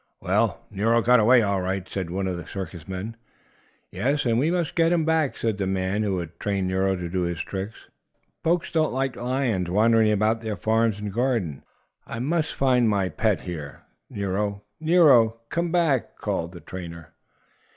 "Well, Nero got away all right," said one circus man. "Yes, and we must get him back!" said the man who had trained Nero to do his tricks. "Folks don't like lions wandering about their farms and gardens. I must find my pet. Here, Nero! Nero! Come back!" called the trainer.